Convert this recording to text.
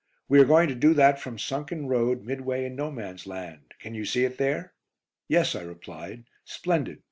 We are going to do that from 'Sunken Road,' midway in 'No Man's Land.' Can you see it there?" "Yes," I replied; "splendid.